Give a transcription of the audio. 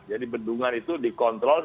jadi bendungan itu dikontrol